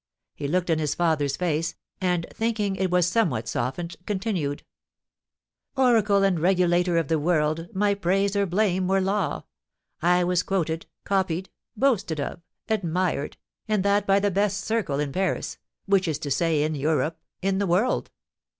He looked in his father's face, and, thinking it was somewhat softened, continued: "Oracle and regulator of the world, my praise or blame were law: I was quoted, copied, boasted of, admired, and that by the best circle in Paris, which is to say in Europe in the world.